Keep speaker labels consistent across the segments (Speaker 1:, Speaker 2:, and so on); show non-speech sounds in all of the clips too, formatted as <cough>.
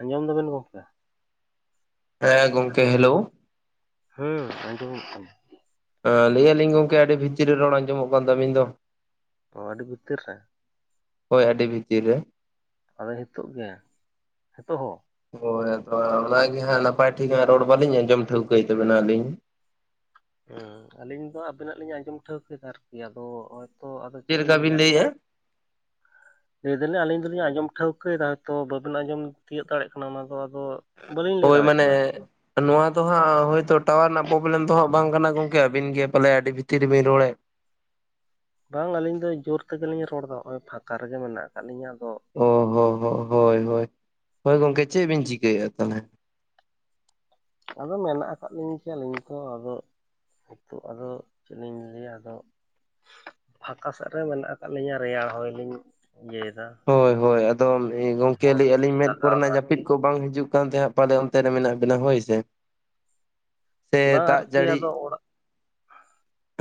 Speaker 1: ᱟᱸᱡᱚᱢ ᱫᱟᱵᱮᱱ ᱜᱚᱢᱠᱮ
Speaker 2: ᱦᱮᱸ ᱜᱚᱢᱠᱮ ᱦᱮᱞᱳ
Speaker 1: ᱦᱩᱸ ᱟᱸᱡᱚᱢᱚᱜ ᱠᱟᱱᱟ
Speaker 2: ᱞᱟᱹᱭᱟᱞᱤᱧ ᱜᱚᱝᱠᱮ ᱟᱹᱰᱤ ᱵᱷᱤᱛᱨᱤ ᱨᱮ ᱨᱚᱲ ᱟᱸᱡᱚᱢᱚᱜ ᱠᱟᱱ ᱛᱟᱹᱵᱧ ᱫᱚ ᱾
Speaker 1: ᱚ ᱟᱹᱰᱤ ᱵᱷᱤᱛᱤᱨ ᱨᱮ?
Speaker 2: ᱦᱳᱭ ᱟᱹᱰᱤ ᱵᱷᱤᱛᱤᱨ ᱨᱮ
Speaker 1: ᱟᱫᱚ ᱱᱤᱛᱚᱜ ᱜᱮ ᱱᱤᱛᱚᱜ ᱦᱚᱸ?
Speaker 2: ᱦᱳᱭ ᱟᱫᱚ ᱚᱱᱟ ᱜᱮ ᱦᱟᱸᱜ ᱱᱟᱯᱟᱭ ᱴᱷᱤᱠ ᱨᱚᱲ ᱵᱟᱹᱞᱤᱧ ᱟᱸᱡᱚᱢ ᱴᱷᱟᱹᱣᱠᱟᱹᱭ ᱛᱟᱵᱮᱱᱟ ᱟᱹᱞᱤᱧ ᱾
Speaker 1: ᱦᱩᱸ ᱟᱞᱤᱧ ᱫᱚ ᱟᱵᱤᱱᱟᱜ ᱞᱤᱧ ᱟᱸᱡᱚᱢ ᱴᱷᱟᱹᱣᱠᱟᱹ ᱮᱫᱟ ᱟᱨᱠᱤ ᱟᱫᱚ ᱦᱚᱭᱛᱚ ᱟᱫᱚ ᱪᱮᱫ
Speaker 2: ᱞᱮᱠᱟ
Speaker 1: ᱞᱤᱧ
Speaker 2: ᱵᱤᱱ
Speaker 1: ᱞᱟᱹᱭᱟ
Speaker 2: ᱞᱟᱹᱭᱮᱜᱼᱟ
Speaker 1: ᱞᱟᱹᱭ ᱫᱟᱞᱤᱧ ᱟᱹᱞᱤᱧ ᱫᱚᱞᱤᱧ ᱟᱸᱡᱚᱢ ᱴᱷᱟᱹᱣᱠᱟᱹᱭᱫᱟ ᱦᱚᱭᱛᱳ ᱵᱟᱹᱵᱮᱱ ᱟᱸᱡᱚᱢ ᱛᱤᱭᱳᱜ ᱫᱟᱲᱮᱭᱟᱜ ᱠᱟᱱᱟ ᱚᱱᱟᱫᱚ ᱟᱫᱚ ᱵᱟᱹᱞᱤᱧ ᱞᱟᱹᱭ
Speaker 2: ᱦᱳᱭ
Speaker 1: ᱫᱟᱲᱮᱭᱟᱜ
Speaker 2: ᱢᱟᱱᱮ
Speaker 1: ᱠᱟᱱᱟ ᱟᱨᱠᱤ
Speaker 2: ᱱᱚᱣᱟ ᱫᱚ ᱦᱟᱸᱜ ᱦᱳᱭᱛᱚ ᱴᱟᱣᱟᱨ ᱨᱮᱱᱟᱜ ᱯᱨᱚᱵᱞᱮᱢ ᱫᱚ ᱦᱟᱸᱜ ᱵᱟᱝ ᱠᱟᱱᱟ ᱜᱚᱝᱠᱮ ᱟᱹᱵᱤᱱ ᱜᱮ ᱯᱟᱞᱮ ᱟᱹᱰᱤ ᱵᱷᱤᱛᱤᱨ ᱨᱮᱵᱤᱱ ᱨᱚᱲᱮᱫ
Speaker 1: ᱵᱟᱝ ᱟᱹᱞᱤᱧ ᱫᱚ ᱡᱳᱨ ᱛᱮᱜᱮᱞᱤᱧ ᱨᱚᱲ ᱮᱫᱟ ᱱᱚᱜ-ᱚᱭ ᱯᱷᱟᱸᱠᱟ ᱨᱮᱜᱮ ᱢᱮᱱᱟᱜ ᱟᱠᱟᱫ ᱞᱤᱧᱟᱹ ᱟᱫᱚ
Speaker 2: ᱚ ᱦᱚᱸ ᱦᱚᱸ ᱦᱳᱭ ᱦᱳᱭ ᱜᱚᱢᱠᱮ ᱪᱮᱫ ᱵᱤᱱ ᱪᱤᱠᱟᱹᱭᱮᱫᱟ ᱛᱟᱦᱚᱞᱮ
Speaker 1: ᱟᱫᱚ ᱢᱮᱱᱟᱜ ᱟᱠᱟᱫ ᱞᱤᱧ ᱜᱮᱭᱟ ᱟᱹᱞᱤᱧ ᱛᱚ ᱟᱫᱚ ᱱᱤᱛᱚᱜ ᱟᱫᱚ ᱪᱮᱫ ᱤᱧ ᱞᱟᱹᱭᱟ ᱟᱫᱚ ᱯᱷᱟᱸᱠᱟ ᱥᱮᱫ ᱨᱮ ᱢᱮᱱᱟᱜ ᱟᱠᱟᱫ ᱞᱤᱧᱟᱹ ᱨᱮᱭᱟᱲ ᱦᱳᱩ ᱞᱤᱤᱧ ᱤᱭᱟᱹᱭᱮᱫᱟ
Speaker 2: ᱦᱳᱭ ᱦᱳᱭ ᱟᱫᱚ ᱜᱚᱝᱚᱢᱠᱮ ᱞᱟᱹᱭ
Speaker 1: ᱦᱚᱲᱢᱚ
Speaker 2: ᱟᱹᱞᱤᱧ
Speaker 1: ᱨᱮᱞᱤᱧ
Speaker 2: ᱢᱮᱫ
Speaker 1: ᱞᱟᱜᱟᱣᱫᱟ
Speaker 2: ᱠᱚᱨᱮᱱᱟᱜ
Speaker 1: ᱟᱨᱠᱤ
Speaker 2: ᱡᱟᱹᱯᱤᱫ ᱵᱟᱝ ᱦᱤᱡᱩᱜ ᱠᱟᱱ ᱛᱟᱦᱮᱸᱜ ᱯᱟᱞᱮ ᱚᱱᱛᱮ ᱨᱮ ᱢᱮᱱᱟᱜ ᱵᱤᱱᱟ ᱦᱳᱭ ᱥᱮ ᱥᱮ
Speaker 1: ᱵᱟᱝ
Speaker 2: ᱫᱟᱜ
Speaker 1: ᱟᱨᱠᱤ
Speaker 2: ᱡᱟᱹᱲᱤ
Speaker 1: ᱟᱫᱚ ᱚᱲᱟᱜ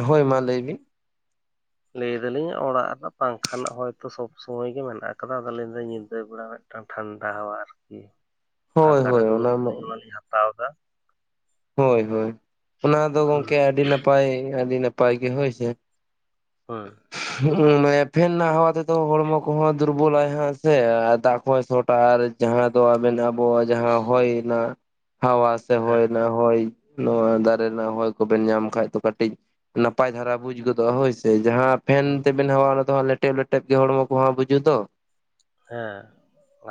Speaker 2: ᱦᱳᱭ ᱢᱟ ᱞᱟᱹᱭ ᱵᱤᱱ
Speaker 1: ᱞᱟᱹᱭᱫᱟᱞᱤᱧᱟ ᱚᱲᱟᱜ ᱨᱮ ᱯᱟᱝᱠᱷᱟ ᱨᱮᱱᱟᱜ ᱦᱚᱭ ᱛᱳ ᱥᱚᱵ ᱥᱚᱢᱚᱭ ᱜᱮ ᱢᱮᱱᱟᱜ ᱟᱠᱟᱫᱟ ᱟᱫᱚ ᱞᱟᱹᱭᱫᱟᱹᱧ ᱫᱚᱹᱧ ᱧᱤᱫᱟᱹ ᱵᱮᱲᱟ ᱢᱤᱫᱴᱟᱱ ᱴᱷᱟᱱᱰᱟ ᱦᱟᱶᱣᱟ ᱟᱨᱠᱤ
Speaker 2: ᱦᱳᱭ
Speaker 1: ᱯᱷᱟᱸᱠᱟᱨᱮ
Speaker 2: ᱦᱳᱭ
Speaker 1: ᱫᱩᱲᱩᱵ
Speaker 2: ᱚᱱᱟ ᱢᱟ
Speaker 1: ᱛᱩᱞᱩᱡ ᱚᱱᱟᱞᱤᱧ ᱦᱟᱛᱟᱣ ᱮᱫᱟ
Speaker 2: ᱦᱳᱭ ᱦᱳᱭ ᱚᱱᱟ ᱫᱚ
Speaker 1: ᱦᱩᱸ
Speaker 2: ᱜᱚᱢᱠᱮ ᱟᱹᱰᱤ ᱱᱟᱯᱟᱭ ᱟᱹᱰᱤ ᱱᱟᱯᱟᱭ ᱜᱮ ᱦᱳᱭ ᱥᱮ
Speaker 1: ᱦᱳᱭ
Speaker 2: ᱦᱩᱜ-ᱩ ᱢᱟᱱᱮ ᱯᱷᱮᱱ ᱱᱟᱜ ᱦᱟᱣᱟ ᱛᱮ ᱛᱚ ᱦᱚᱲᱢᱚ ᱠᱚᱦᱚᱸ ᱫᱩᱨᱵᱚᱞᱟᱭ ᱦᱮᱸ ᱥᱮ ᱟᱨ ᱫᱟᱜ ᱠᱚᱦᱚᱸᱭ ᱥᱚᱴᱟ ᱟᱨ ᱡᱟᱦᱟᱸ ᱫᱚ ᱟᱵᱮᱱ ᱟᱵᱚᱣᱟᱜ ᱡᱟᱦᱟᱸ ᱦᱩᱭᱱᱟ ᱦᱟᱣᱟ ᱥᱮ
Speaker 1: ᱦᱮᱸ
Speaker 2: ᱦᱚᱭᱱᱟ ᱦᱚᱭ ᱱᱚᱣᱟ ᱫᱟᱨᱮ ᱨᱮᱱᱟᱜ ᱦᱚᱭ ᱠᱚᱵᱮᱱ ᱧᱟᱢ ᱠᱷᱟᱡ ᱫᱚ ᱠᱟᱹᱴᱤᱡ ᱱᱟᱯᱟᱭ ᱫᱷᱟᱨᱟ ᱵᱩᱡ ᱜᱚᱫᱚᱜ-ᱟ ᱦᱳᱭ ᱥᱮ ᱡᱟᱦᱟᱸ ᱯᱷᱮᱱ ᱛᱮᱵᱮᱱ ᱦᱟᱶᱣᱟ-ᱟ ᱚᱱᱟ ᱫᱚ ᱦᱟᱸᱜ ᱞᱮᱴᱮᱵ ᱞᱮᱴᱵ ᱜᱮ ᱦᱚᱲᱢᱚ ᱠᱚᱦᱟᱸ ᱵᱩᱡᱩᱜ ᱫᱚ
Speaker 1: ᱦᱮᱸ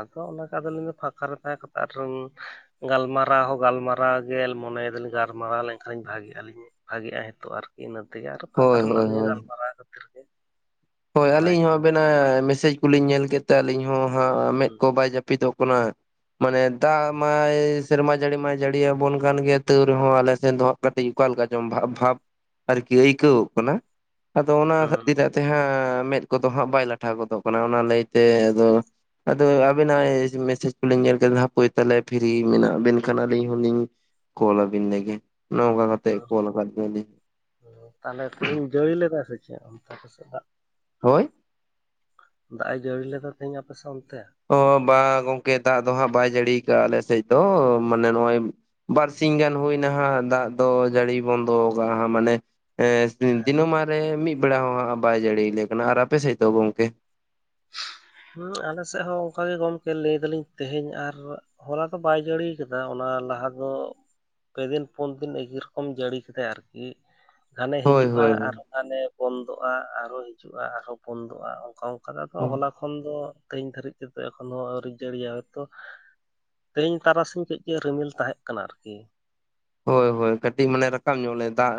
Speaker 1: ᱟᱫᱚ ᱚᱱᱟ ᱠᱟᱫᱚ ᱟᱞᱤᱧ ᱫᱚ ᱯᱷᱟᱠᱟ ᱨᱮ ᱛᱟᱦᱮᱸ ᱠᱟᱛᱮᱫ ᱟᱨ ᱜᱟᱞᱢᱟᱨᱟᱣ ᱦᱚᱸ ᱜᱟᱞᱢᱟᱨᱟᱣ ᱜᱮᱞ ᱢᱚᱱᱮᱭ ᱫᱟᱞᱤᱧ ᱜᱟᱨᱢᱟᱨᱟᱣ ᱞᱮᱱᱠᱷᱟᱱ ᱞᱤᱧ ᱵᱷᱟᱜᱮᱜ ᱟᱹᱞᱤᱧ ᱵᱷᱟᱜᱤᱜ-ᱟ ᱦᱤᱛᱚᱜ ᱟᱨᱠᱤ ᱤᱱᱟᱹ ᱛᱮᱜᱮ ᱟᱨᱚ ᱯᱷᱟᱸᱠᱟ
Speaker 2: ᱦᱳᱭ
Speaker 1: ᱨᱮ ᱢᱮᱱᱟᱜ
Speaker 2: ᱦᱳᱭ
Speaker 1: ᱞᱤᱧᱟ
Speaker 2: ᱦᱳᱭ
Speaker 1: ᱜᱟᱞᱢᱟᱨᱟᱣ ᱠᱷᱟᱹᱛᱤᱨ ᱜᱮ
Speaker 2: ᱦᱳᱭ
Speaker 1: ᱵᱟᱲᱟᱭ
Speaker 2: ᱟᱹᱞᱤᱧ ᱦᱚᱸ
Speaker 1: ᱠᱮᱫᱟ
Speaker 2: ᱟᱵᱮᱱᱟᱜ ᱢᱮᱥᱮᱡᱽ ᱠᱚᱞᱤᱧ ᱧᱮᱞ ᱠᱮᱫ ᱛᱮ ᱟᱹᱞᱤᱧ ᱦᱚᱸ ᱦᱟᱸᱜ ᱢᱮᱫ
Speaker 1: ᱦᱩᱸ
Speaker 2: ᱠᱚ ᱵᱟᱭ ᱡᱟᱹᱯᱤᱫᱚᱜ ᱠᱟᱱᱟ ᱢᱟᱱᱮ ᱫᱟᱜ ᱢᱟᱭ ᱥᱮᱨᱢᱟ ᱡᱟᱹᱲᱤ ᱢᱟᱭ ᱡᱟᱹᱲᱤ ᱟᱵᱚᱱ ᱠᱟᱱ ᱜᱮᱭᱟ ᱛᱟᱹᱣ ᱨᱮᱦᱚᱸ ᱟᱞᱮ ᱥᱮᱱ ᱫᱚ ᱦᱟᱸᱜ ᱠᱟᱴᱤᱡ ᱚᱠᱟᱠᱟᱞᱮᱠᱟ ᱪᱚᱢ ᱵᱷᱟᱵ ᱵᱷᱟᱵ ᱟᱨᱠᱤ ᱟᱹᱭᱠᱟᱹᱣᱚᱜ ᱠᱟᱱᱟ ᱟᱫᱚ ᱚᱱᱟ
Speaker 1: ᱦᱩᱸ
Speaker 2: ᱠᱷᱟᱹᱛᱤᱨ ᱛᱮ ᱦᱟᱸᱜ ᱢᱮᱫ ᱠᱚᱫᱚ ᱦᱟᱸᱜ ᱵᱟᱭ ᱞᱟᱴᱷᱟ ᱜᱚᱫᱚᱜ ᱠᱟᱱᱟ ᱚᱱᱟ ᱞᱟᱹᱭᱛᱮ ᱟᱫᱚ ᱟᱫᱚ ᱟᱵᱤᱱᱟᱜ ᱢᱮᱥᱮᱡᱽ ᱠᱚᱞᱤᱧ ᱧᱮᱞ ᱠᱮᱫᱟ ᱦᱟᱯᱳᱭ ᱛᱟᱦᱚᱞᱮ ᱯᱷᱤᱨᱤ ᱢᱮᱱᱟᱜ ᱵᱮᱱ ᱠᱷᱟᱱ ᱟᱹᱞᱤᱧ ᱦᱚᱸᱞᱤᱧ ᱠᱚᱞ ᱟᱵᱤᱱ ᱞᱮᱜᱮ ᱱᱚᱝᱠᱟ ᱠᱟᱛᱮᱜ ᱠᱚᱞᱟ ᱟᱠᱟᱫ ᱵᱤᱱᱟᱞᱤᱧ
Speaker 1: ᱛᱟᱦᱚᱞᱮ ᱛᱮᱦᱤᱧ ᱡᱟᱹᱲᱤ ᱞᱮᱫᱟ ᱥᱮ ᱪᱮᱫ ᱚᱱᱛᱮ ᱟᱯᱮ ᱥᱮᱫ ᱫᱟᱜ
Speaker 2: ᱦᱳᱭ
Speaker 1: ᱫᱟᱜ ᱮ ᱡᱟᱹᱲᱤ ᱞᱮᱫᱟ ᱛᱮᱦᱤᱧ ᱟᱯᱮᱥᱮᱫ ᱚᱱᱛᱮ
Speaker 2: ᱚ ᱵᱟᱝ ᱜᱚᱝᱠᱮ ᱫᱟᱜ ᱫᱚ ᱦᱟᱸᱜ ᱵᱟᱭ ᱡᱟᱹᱲᱤᱭᱟ ᱠᱟᱜ-ᱟ ᱟᱞᱮ ᱥᱮᱡ ᱫᱚ ᱢᱟᱱᱮ ᱱᱚᱜ-ᱚᱭ ᱵᱟᱨ ᱥᱤᱧ ᱜᱟᱱ ᱦᱩᱭ ᱱᱟᱦᱟᱜ ᱫᱟᱜ ᱫᱚ ᱡᱟᱹᱲᱤ ᱵᱚᱱᱫᱚ ᱠᱟᱜ-ᱟ ᱢᱟᱱᱮ ᱫᱤᱱᱚᱢᱟᱱ ᱨᱮ ᱢᱤᱫ ᱵᱮᱲᱟ ᱦᱚᱸ ᱦᱟᱸᱜ ᱵᱟᱭ ᱡᱟᱹᱲᱤᱭᱟᱞᱮ ᱠᱟᱱᱟ ᱟᱨ ᱟᱯᱮ ᱥᱮᱫ ᱫᱚ ᱜᱚᱝᱠᱮ
Speaker 1: ᱦᱮᱸ ᱟᱞᱮ ᱥᱮᱫ ᱦᱚᱸ ᱚᱱᱠᱟᱜ ᱜᱮ ᱜᱚᱢᱠᱮ ᱞᱟᱹᱭ ᱫᱟᱞᱤᱧ ᱛᱮᱦᱮᱧ ᱟᱨ ᱦᱚᱞᱟ ᱫᱚ ᱵᱟᱭ ᱡᱟᱹᱲᱤᱭᱟ ᱟᱠᱟᱫᱟ ᱚᱱᱟ ᱞᱟᱦᱟ ᱫᱚ ᱯᱮ ᱫᱤᱱ ᱯᱩᱱ ᱫᱤᱱ ᱮᱜᱤ ᱨᱚᱠᱚᱢ ᱡᱟᱹᱲᱤ ᱠᱮᱫᱟᱭ ᱟᱨᱠᱤ ᱜᱷᱟᱱᱮ
Speaker 2: ᱦᱳᱭ
Speaker 1: ᱦᱤᱡᱩᱜ-ᱟ
Speaker 2: ᱦᱳᱭ ᱦᱳᱭ
Speaker 1: ᱟᱨᱦᱚᱸ ᱜᱷᱟᱱᱮ ᱵᱚᱱᱫᱚᱜ-ᱟ ᱟᱨᱦᱚ ᱦᱤᱡᱩᱜ-ᱟ ᱟᱨᱦᱚ ᱵᱚᱱᱫᱚᱜ-ᱟ ᱚᱱᱠᱟ ᱚᱱᱠᱟ ᱫᱚ ᱟᱫᱚ ᱦᱚᱞᱟ ᱠᱷᱚᱱ ᱫᱚ ᱛᱮᱦᱤᱧ ᱫᱷᱟᱹᱨᱤᱡ ᱛᱮᱫᱚ ᱮᱠᱷᱚᱱ ᱦᱚᱸ ᱟᱹᱣᱨᱤ ᱡᱟᱹᱲᱤᱭᱟ ᱦᱚᱭᱛᱚ ᱛᱮᱦᱮᱧ ᱛᱟᱨᱟᱥᱤᱧ ᱠᱟᱹᱡ ᱠᱟᱹᱡ ᱨᱤᱢᱤᱞ ᱛᱟᱦᱮᱸᱜ ᱠᱟᱱᱟ ᱟᱨᱠᱤ
Speaker 2: ᱦᱳᱭ ᱦᱳᱭ ᱠᱟᱹᱴᱤᱡ ᱢᱟᱱᱮ ᱨᱟᱠᱟᱵ ᱧᱚᱜ ᱞᱮ ᱫᱟᱜ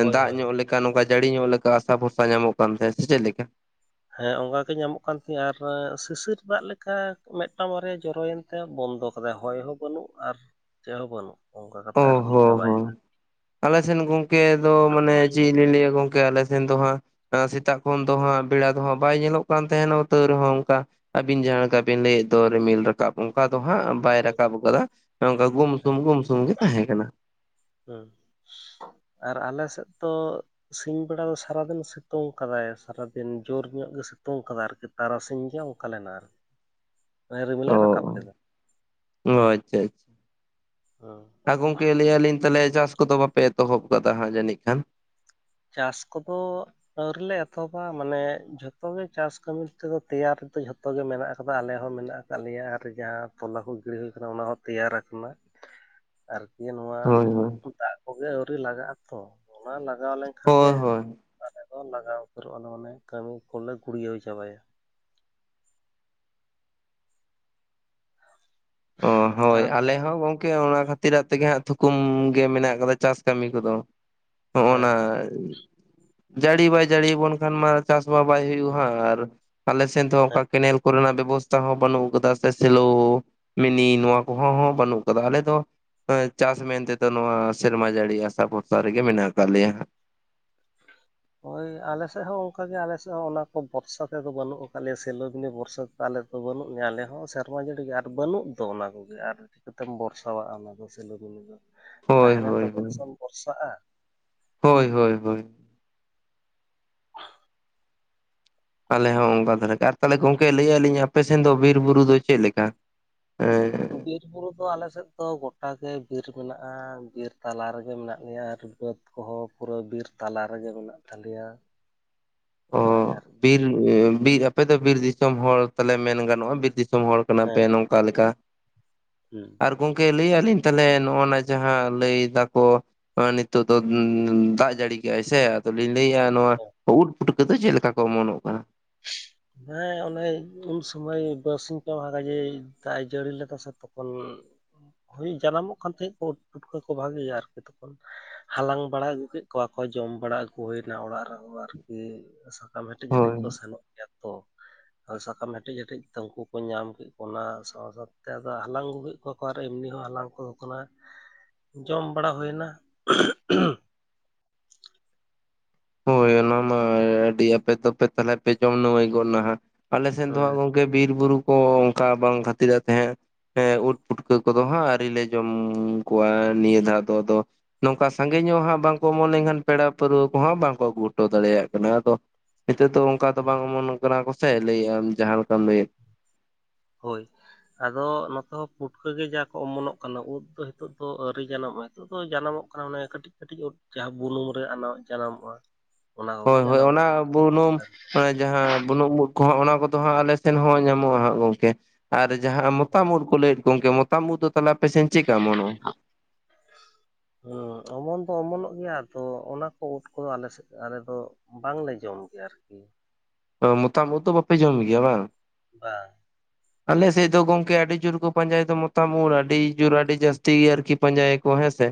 Speaker 1: ᱦᱳᱭ
Speaker 2: ᱫᱟᱜ
Speaker 1: ᱦᱳᱭ
Speaker 2: ᱧᱚᱜ ᱞᱮ ᱱᱚᱝᱠᱟ ᱡᱟᱹᱲᱤ ᱧᱚᱜ ᱞᱮᱠᱟ ᱟᱥᱟ ᱵᱷᱚᱨᱥᱟ ᱧᱟᱢᱚᱜ ᱠᱟᱱ ᱛᱟᱦᱮᱸᱫ ᱥᱮ ᱪᱮᱫ ᱞᱮᱠᱟ
Speaker 1: ᱦᱮᱸ ᱚᱱᱠᱟ ᱜᱮ ᱧᱟᱢᱚᱜ ᱠᱟᱱ ᱛᱤᱧᱟᱹ ᱟᱨ ᱥᱤᱥᱤᱨ ᱫᱟᱜ ᱞᱮᱠᱟ ᱢᱤᱫᱴᱟᱝ ᱵᱟᱨᱭᱟ ᱡᱚᱨᱚᱭᱮᱱ ᱛᱮ ᱵᱚᱱᱫᱚ ᱠᱟᱫᱟᱭ ᱦᱚᱭ ᱦᱚᱸ ᱵᱟᱹᱱᱩᱜ ᱟᱨ ᱪᱮᱫ ᱦᱚᱸ ᱵᱟᱹᱱᱩᱜ ᱚᱱᱠᱟ ᱠᱟᱛᱮ ᱟᱨᱠᱤ ᱪᱟᱵᱟᱭᱮᱱᱟ
Speaker 2: ᱟᱞᱮᱥᱮᱱ ᱜᱚᱝᱠᱮ ᱫᱚ ᱢᱟᱱᱮ ᱪᱮᱫ ᱞᱤᱧ ᱞᱟᱹᱭᱟ ᱜᱚᱝᱠᱮ ᱟᱞᱮ ᱥᱮᱱ ᱫᱚ ᱦᱟᱸᱜ ᱥᱮᱛᱟᱜ ᱛᱚᱠᱷᱚᱱ ᱫᱚ
Speaker 1: ᱦᱩᱸ
Speaker 2: ᱦᱟᱸᱜ ᱵᱮᱲᱟ ᱫᱚ ᱦᱟᱸᱜ ᱵᱟᱭ ᱧᱮᱞᱚᱜ ᱠᱟᱱ ᱛᱟᱦᱮᱱᱟ ᱛᱟᱹᱶ ᱨᱮᱦᱚᱸ ᱚᱱᱠᱟ ᱟᱹᱵᱤᱱ ᱡᱟᱦᱟᱸ ᱞᱮᱠᱟ ᱵᱤᱱ ᱞᱟᱹᱭᱮᱫ ᱫᱚ ᱨᱤᱢᱤᱞ ᱨᱟᱠᱟᱵ ᱚᱱᱠᱟ ᱫᱚ ᱦᱟᱸᱜ ᱵᱟᱭ
Speaker 1: ᱦᱳᱭ
Speaker 2: ᱨᱟᱠᱟᱵ ᱟᱠᱟᱫᱟ ᱢᱟᱱᱮ ᱚᱱᱠᱟ ᱜᱩᱢ ᱥᱩᱢ ᱜᱩᱢ ᱥᱩᱢ ᱜᱮ ᱛᱟᱦᱮᱸ ᱠᱟᱱᱟ
Speaker 1: ᱦᱮᱸ ᱟᱨ ᱟᱞᱮ ᱥᱮᱫ ᱛᱚ ᱥᱤᱧ ᱵᱮᱲᱟ ᱫᱚ ᱥᱟᱨᱟᱫᱤᱱ ᱥᱤᱛᱩᱝ ᱠᱟᱫᱟᱭ ᱥᱟᱨᱟᱫᱤᱱ ᱡᱳᱨ ᱧᱚᱜ ᱜᱮ ᱥᱤᱛᱩᱝ ᱠᱟᱫᱟᱭ ᱟᱨᱠᱤ ᱟᱨᱟᱨᱚᱥᱤᱧ ᱜᱮ ᱚᱱᱠᱟ ᱞᱮᱱᱟ ᱟᱨᱠᱤ
Speaker 2: <unintelligible>
Speaker 1: ᱢᱟᱱᱮ ᱨᱤᱢᱤᱞᱮ ᱨᱟᱠᱟᱵ
Speaker 2: ᱚ
Speaker 1: ᱞᱮᱫᱟ
Speaker 2: ᱟᱪᱪᱷᱟ
Speaker 1: ᱦᱩᱸ
Speaker 2: ᱟᱪᱪᱷᱟ ᱜᱚᱝᱠᱮ ᱞᱟᱹᱭᱟᱹᱞᱤᱧ ᱛᱟᱦᱚᱞᱮ ᱪᱟᱥ ᱠᱚᱫᱚ ᱵᱟᱯᱮ ᱮᱛᱚᱦᱚᱵ ᱟᱠᱟᱫᱟ ᱦᱟᱸᱜ ᱡᱟᱹᱱᱤᱡ ᱠᱷᱟᱱ ᱾
Speaker 1: ᱪᱟᱥ ᱠᱚᱫᱚ ᱟᱹᱣᱨᱤ ᱞᱮ ᱮᱛᱚᱦᱚᱵᱟ, ᱢᱟᱱᱮ ᱡᱷᱚᱛᱚ ᱜᱮ ᱪᱟᱥ ᱠᱟᱹᱢᱤ ᱛᱮᱫᱚ ᱛᱮᱭᱟᱨ ᱫᱚ ᱡᱷᱚᱛᱚ ᱜᱮ ᱢᱮᱱᱟᱜ ᱟᱠᱟᱫᱟ, ᱟᱞᱮ ᱦᱚᱸ ᱢᱮᱱᱟᱜ ᱟᱠᱟᱫᱟ ᱾ ᱞᱮᱭᱟ ᱟᱨ ᱡᱟᱦᱟᱸ ᱛᱚᱞᱟ ᱠᱚ ᱜᱤᱲᱤ ᱦᱩᱭ ᱟᱠᱟᱱᱟ, ᱚᱱᱟ ᱦᱚᱸ ᱛᱮᱭᱟᱨ ᱟᱠᱟᱱᱟ ᱾
Speaker 2: <unintelligible>
Speaker 1: ᱟᱨᱠᱤ ᱱᱚᱣᱟ
Speaker 2: ᱦᱳᱭ ᱦᱳᱭ
Speaker 1: ᱫᱟᱜ ᱠᱚᱜᱮ ᱟᱹᱣᱨᱤ ᱞᱟᱜᱟᱜ ᱟ ᱛᱚ ᱚᱱᱟ ᱞᱟᱜᱟᱣ ᱞᱮᱱᱠᱷᱟᱱ, ᱮ ᱠᱷᱟᱱ
Speaker 2: ᱦᱳᱭ
Speaker 1: ᱜᱮ
Speaker 2: ᱦᱳᱭ
Speaker 1: ᱟᱞᱮ ᱫᱚ ᱞᱟᱜᱟᱣ ᱩᱛᱟᱹᱨᱚᱜ ᱟᱞᱮ ᱚᱱᱮ ᱠᱟᱹᱢᱤ ᱠᱚᱞᱮ ᱜᱩᱲᱭᱟᱹᱣ ᱪᱟᱵᱟᱭᱟ ᱾
Speaker 2: ᱚ ᱦᱳᱭ
Speaker 1: ᱛᱟᱨᱯᱚᱨ
Speaker 2: ᱟᱞᱮ ᱦᱚᱸ ᱜᱚᱝᱠᱮ ᱾ ᱚᱱᱟ ᱠᱷᱟᱹᱛᱤᱨᱟᱜ ᱛᱮᱜᱮ ᱦᱟᱸᱜ ᱛᱷᱩᱠᱩᱢ ᱜᱮ ᱢᱮᱱᱟᱜ ᱟᱠᱟᱫᱟ ᱪᱟᱥ ᱠᱟᱹᱢᱤ ᱠᱚᱫᱚ ᱾
Speaker 1: ᱦᱮᱸ
Speaker 2: ᱦᱚᱜ-ᱱᱟ ᱡᱟᱹᱲᱤ ᱵᱟᱭ ᱡᱟᱹᱲᱤᱭᱟᱵᱚᱱ ᱠᱷᱟᱱ ᱢᱟ ᱪᱟᱥ ᱢᱟ ᱵᱟᱭ ᱦᱩᱭᱩᱜᱼᱟ ᱟᱨ ᱟᱞᱮᱥᱮᱱ ᱫᱚ ᱚᱱᱠᱟ ᱠᱮᱱᱮᱞ ᱠᱚᱨᱮᱱᱟᱜ ᱵᱮᱵᱚᱥᱛᱷᱟ ᱛᱟ ᱦᱚᱸ ᱵᱟᱹᱱᱩᱜ ᱠᱟᱫᱟ, ᱥᱮ ᱥᱮᱞᱳ, ᱢᱤᱱᱤ ᱱᱚᱣᱟ ᱠᱚᱦᱚᱸ ᱦᱚᱸ ᱵᱟᱹᱱᱩᱜ ᱠᱟᱫᱟ ᱾ ᱟᱞᱮ ᱫᱚ ᱪᱟᱥ ᱢᱮᱱ ᱛᱮᱫᱚ ᱱᱚᱣᱟ ᱥᱮᱨᱢᱟ ᱡᱟᱹᱲᱤ ᱟᱥᱟ ᱵᱷᱚᱨᱥᱟ ᱨᱮᱜᱮ ᱢᱮᱱᱟᱜ ᱟᱠᱟᱫ ᱞᱮᱭᱟ ᱾ <unintelligible>
Speaker 1: ᱦᱳᱭ ᱟᱞᱮ ᱥᱮᱫ ᱦᱚᱸ ᱚᱱᱠᱟ ᱜᱮ, ᱟᱞᱮ ᱥᱮᱫ ᱦᱚᱸ ᱚᱱᱟ ᱠᱚ ᱵᱷᱚᱨᱥᱟ ᱛᱮᱫᱚ ᱵᱟᱹᱱᱩᱜ ᱟᱠᱟᱫ ᱞᱮᱭᱟ, ᱥᱮᱞᱳ ᱨᱤᱱᱤᱡ ᱵᱚᱨᱥᱟ ᱛᱮ ᱾ ᱟᱞᱮᱫ ᱫᱚ ᱵᱟᱹᱱᱩᱜ ᱞᱮᱭᱟ, ᱟᱞᱮ ᱦᱚᱸ ᱥᱮᱨᱢᱟ ᱡᱟᱹᱲᱤ ᱜᱮ ᱟᱨ ᱵᱟᱹᱱᱩᱜ ᱫᱚ ᱚᱱᱟ ᱠᱚᱜᱮ ᱟᱨ ᱪᱤᱠᱟᱹᱛᱮᱢ ᱵᱷᱚᱨᱥᱟᱣᱜᱼᱟ ᱚᱱᱟ ᱫᱚ? ᱥᱮᱞᱳᱢᱮᱞᱳ ᱫᱚ
Speaker 2: ᱦᱳᱭ
Speaker 1: ᱛᱟᱦᱮᱱᱟ
Speaker 2: ᱦᱳᱭ
Speaker 1: ᱛᱚᱵᱮ
Speaker 2: ᱦᱳᱭ
Speaker 1: ᱥᱮᱢ ᱵᱷᱚᱨᱥᱟᱜᱼᱟ ᱾
Speaker 2: ᱦᱳᱭ ᱦᱳᱭ ᱦᱳᱭ ᱾
Speaker 1: ᱟᱨ <unintelligible>
Speaker 2: ᱟᱞᱮ ᱦᱚᱸ ᱚᱱᱠᱟ ᱫᱷᱟᱨᱟ ᱜᱮ ᱮ ᱟᱨ ᱛᱟᱦᱚᱞᱮ ᱜᱚᱝᱠᱮ ᱞᱟᱹᱭᱮᱼᱜᱟᱹᱞᱤᱧ ᱟᱯᱮ ᱥᱮᱱ ᱫᱚ ᱵᱤᱨ ᱵᱩᱨᱩ ᱫᱚ ᱪᱮᱫ ᱞᱮᱠᱟ? ᱦᱮᱸ
Speaker 1: ᱵᱤᱨ ᱵᱩᱨᱩ ᱫᱚ ᱟᱞᱮ ᱥᱮᱫ ᱫᱚ ᱜᱚᱴᱟ ᱜᱮ ᱵᱤᱨ ᱢᱮᱱᱟᱜᱼᱟ ᱾ ᱵᱤᱨ ᱛᱟᱞᱟ ᱨᱮᱜᱮ ᱢᱮᱱᱟᱜ ᱞᱮᱭᱟ ᱟᱨ ᱵᱟᱹᱫᱽ ᱠᱚᱦᱚᱸ ᱯᱩᱨᱟᱹ ᱵᱤᱨ ᱛᱟᱞᱟ ᱨᱮᱜᱮ ᱢᱮᱱᱟᱜ ᱛᱟᱞᱮᱭᱟ ᱾
Speaker 2: <unintelligible>
Speaker 1: ᱵᱟᱡᱟᱨ
Speaker 2: ᱵᱤᱨ ᱵᱤᱨ ᱟᱯᱮ ᱫᱚ ᱵᱤᱨ ᱫᱤᱥᱚᱢ ᱦᱚᱲ ᱛᱟᱞᱮ ᱢᱮᱱ ᱜᱟᱱᱚᱜᱼᱟ ᱾ ᱵᱤᱨ ᱫᱤᱥᱚᱢ ᱦᱚᱲ ᱠᱟᱱᱟ ᱯᱮ
Speaker 1: ᱦᱮᱸ
Speaker 2: ᱱᱚᱝᱠᱟ ᱾ ᱚᱠᱟ ᱞᱮᱠᱟ
Speaker 1: ᱦᱩᱸ ᱾
Speaker 2: ᱟᱨ ᱜᱚᱝᱠᱮ ᱞᱟᱹᱭᱮᱜᱼᱟ ᱞᱤᱧ ᱛᱟᱦᱚᱞᱮ ᱱᱚᱜᱚ ᱱᱟ ᱡᱟᱦᱟᱸ ᱞᱟᱹᱭ ᱫᱟᱠᱚ ᱟᱨ ᱱᱤᱛᱚᱜ ᱫᱚ ᱫᱟᱜ ᱡᱟᱹᱲᱤ ᱠᱮᱜᱼᱟᱭ ᱥᱮ, ᱟᱹᱞᱤᱧ ᱞᱟᱹᱭᱮᱫᱼᱟ ᱱᱚᱣᱟ ᱩᱫᱽ ᱯᱩᱴᱠᱟᱹ ᱫᱚ ᱪᱮᱫ ᱞᱮᱠᱟ ᱠᱚ ᱚᱢᱚᱱᱚᱜ ᱠᱟᱱᱟ ᱾
Speaker 1: ᱦᱮᱸ ᱚᱱᱮ ᱩᱱ ᱥᱩᱚᱢᱚᱭ ᱵᱟᱨᱥᱤᱧ ᱯᱮ ᱢᱟᱦᱟ ᱡᱮ ᱫᱟᱜ ᱮ ᱡᱟᱹᱲᱤ ᱞᱮᱫᱟ ᱥᱮ ᱛᱚ ᱛᱚᱠᱷᱚᱱ ᱦᱩᱸ ᱡᱟᱱᱟᱢᱚᱜ ᱠᱟᱱ ᱛᱟᱦᱮᱸᱫ ᱠᱚ ᱯᱩᱴᱠᱟᱹ ᱠᱚ ᱵᱷᱟᱜᱤ ᱜᱮ ᱟᱨᱠᱤ ᱛᱚᱠᱷᱚᱱ ᱾ ᱦᱟᱞᱟᱝ ᱵᱟᱲᱟ ᱟᱹᱜᱩ ᱠᱮᱫ ᱠᱚᱣᱟ ᱠᱚ ᱡᱚᱢ ᱵᱟᱲᱟ ᱟᱹᱜᱩ ᱦᱩᱭᱱᱟ ᱚᱲᱟᱜ ᱨᱮᱦᱚᱸ ᱟᱨᱠᱤ ᱾ ᱟᱢ ᱦᱮᱴᱮᱡ ᱦᱮᱴᱮᱡ
Speaker 2: ᱦᱳᱭ
Speaker 1: ᱠᱚ ᱥᱮᱱᱚᱜ ᱜᱮᱭᱟ ᱛᱚ ᱾ ᱟᱨ ᱥᱟᱠᱟᱢ ᱦᱮᱴᱮᱡ ᱦᱮᱴᱮᱡ ᱛᱟᱹᱠᱩ ᱠᱚ ᱧᱟᱢ ᱠᱮᱫ ᱠᱚ ᱚᱱᱟ ᱥᱟᱶ ᱥᱟᱶᱛᱮ ᱟᱫᱚ ᱦᱟᱞᱟᱝ ᱟᱹᱜᱩ ᱠᱮᱫ ᱠᱚᱣᱟ ᱾ ᱚᱠᱟ ᱨᱮ ᱮᱢᱱᱤ ᱦᱚᱸ ᱦᱟᱞᱟᱝ ᱠᱚᱫᱚ ᱠᱟᱱᱟ ᱡᱚᱢ ᱵᱟᱲᱟ ᱦᱩᱭᱮᱱᱟ ᱾ ᱦᱩ ᱦᱩᱢ
Speaker 2: ᱦᱳᱭ ᱚᱱᱟ ᱢᱟ ᱟᱹᱰᱤ ᱟᱯᱮ ᱫᱚᱯᱮ ᱛᱟᱦᱚᱞᱮ ᱯᱮ ᱡᱚᱢ ᱱᱟᱣᱟᱹᱭ ᱜᱚᱫ ᱱᱟᱦᱜ, ᱟᱞᱮ ᱥᱮᱫ ᱫᱚ ᱦᱟᱸᱜ
Speaker 1: ᱦᱮᱸ
Speaker 2: ᱜᱚᱝᱠᱮ ᱛᱮ ᱵᱤᱨ ᱵᱩᱨᱩ ᱠᱚ ᱚᱱᱠᱟ ᱵᱟᱝ ᱠᱷᱟᱹᱛᱤᱨᱟᱜ ᱛᱮ ᱦᱟᱸᱜ ᱦᱮᱸ ᱩᱫᱽ ᱯᱩᱴᱠᱟᱹ ᱠᱚᱫᱚ ᱦᱟᱸᱜ ᱟᱹᱣᱨᱤ ᱞᱮ ᱡᱚᱢ ᱠᱚᱣᱟ ᱱᱤᱭᱟᱹ ᱫᱷᱟᱹᱣ ᱫᱚ ᱾ᱟᱫᱚ ᱱᱚᱝᱠᱟ ᱥᱟᱸᱜᱮ ᱧᱚᱜ ᱦᱟᱸᱜ ᱵᱟᱝ ᱠᱚ ᱚᱢᱚᱱ ᱞᱮᱱᱠᱷᱟᱱ ᱯᱮᱲᱟ ᱯᱟᱹᱨᱟᱹᱵᱽ ᱠᱚ ᱦᱟᱸᱜ ᱵᱟᱝ ᱠᱚ ᱟᱹᱜᱩ ᱦᱚᱴᱚ ᱫᱟᱲᱮᱭᱟᱜ ᱠᱟᱱᱟ, ᱟᱫᱚ ᱱᱤᱛᱚᱜ ᱫᱚ ᱚᱱᱠᱟ ᱫᱚ ᱵᱟᱝ ᱚᱢᱚᱱᱚᱜ ᱠᱟᱱᱟ ᱠᱚᱥᱮ ᱞᱟᱹᱭᱮᱫ ᱟᱢ ᱡᱟᱦᱟᱸ ᱞᱮᱠᱟᱢ ᱞᱟᱹᱭᱮᱫ
Speaker 1: ᱦᱳᱭ ᱾ ᱟᱫᱚ ᱱᱚᱛᱮ ᱦᱚᱸ ᱯᱩᱴᱠᱟᱹ ᱜᱮ ᱡᱟ ᱠᱚ ᱚᱢᱚᱱᱚᱜ ᱠᱟᱱᱟ, ᱩᱫ ᱫᱚ ᱱᱤᱛᱚᱜ ᱫᱚ ᱟᱹᱣᱨᱤ ᱡᱟᱱᱟᱚᱜ ᱾ ᱱᱤᱛᱚᱜ ᱫᱚ ᱡᱟᱱᱟᱢᱚᱜ ᱠᱟᱱᱟ ᱚᱱᱮ ᱠᱟᱹᱴᱤᱡ ᱠᱟᱹᱴᱤᱡ ᱡᱟᱦᱟᱸ ᱵᱩᱱᱩᱢ ᱨᱮ ᱡᱟᱱᱟᱢᱚᱜᱼᱟ ᱾
Speaker 2: ᱦᱳᱭ ᱦᱳᱭ ᱚᱱᱟ ᱵᱩᱱᱩᱢ ᱡᱟᱦᱟᱸ ᱵᱩᱱᱩᱢ ᱩᱫ ᱠᱚᱦᱚᱸ ᱚᱱᱟ ᱠᱚᱫᱚ ᱦᱟᱸᱜ ᱟᱞᱮ ᱥᱮᱱ ᱦᱚᱸ ᱧᱟᱢᱚᱜᱼᱟ ᱦᱟᱸᱜ ᱜᱚᱝᱠᱮ᱾ ᱟᱨ ᱡᱟᱦᱟᱸ
Speaker 1: ᱦᱚᱸ
Speaker 2: ᱢᱚᱛᱟᱢ ᱩᱫ ᱠᱚ ᱞᱟᱹᱭᱮᱫ ᱠᱚᱣᱟ ᱜᱚᱝᱠᱮ, ᱢᱚᱛᱟᱢ ᱩᱫᱽ ᱫᱚ ᱛᱟᱦᱮᱸ ᱟᱯᱮ ᱥᱮᱱ ᱪᱮᱫᱠᱟ ᱚᱢᱚᱱᱚᱜ-ᱟ?
Speaker 1: ᱦᱚᱸ ᱚᱢᱚᱱ ᱫᱚ ᱚᱢᱚᱱᱚᱜ ᱜᱮᱭᱟ, ᱟᱫᱚ ᱚᱱᱟ ᱠᱚ ᱩᱫ ᱠᱚᱫᱚ ᱟᱞᱮ ᱥᱮᱫ ᱟᱞᱮ ᱫᱚ ᱵᱟᱝᱞᱮ ᱡᱚᱢ ᱜᱮᱭᱟ ᱟᱨᱠᱤ᱾
Speaker 2: ᱦᱳᱭ, ᱢᱚᱛᱟᱢ ᱩᱫ ᱫᱚ ᱵᱟᱯᱮ ᱡᱚᱢ ᱜᱮᱭᱟ ᱵᱟᱝ
Speaker 1: ᱵᱟᱝ
Speaker 2: ᱟᱞᱮ ᱥᱮᱫ ᱫᱚ ᱜᱚᱝᱠᱮ ᱟᱹᱰᱤ ᱡᱳᱨ ᱠᱚ ᱯᱟᱸᱡᱟᱭ ᱫᱚ ᱢᱚᱛᱟᱢ ᱩᱫ ᱟᱹᱰᱤ ᱡᱳᱨ ᱟᱹᱰᱤ ᱡᱟᱹᱥᱛᱤ ᱜᱮ ᱟᱨᱠᱤ ᱯᱟᱸᱡᱟᱭᱟ ᱠᱚ ᱦᱮᱸ ᱥᱮ